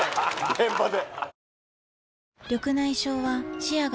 現場で。